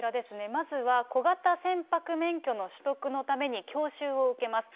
まずは小型船舶免許の取得のために教習を受けます。